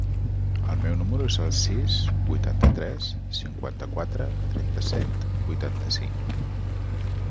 El meu número es el sis, vuitanta-tres, cinquanta-quatre, trenta-set, vuitanta-cinc.